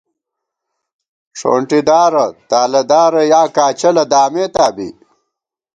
ݭونٹی دارہ ، تالہ دارہ یا کاچَلہ دامېتا بی